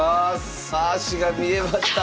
足が見えました。